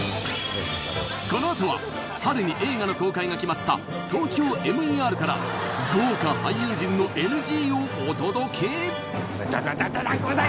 このあとは春に映画の公開が決まった「ＴＯＫＹＯＭＥＲ」から豪華俳優陣のＮＧをお届けだっだっだだだごめんなさい！